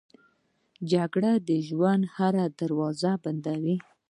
جګړه د ژوند هره دروازه بندوي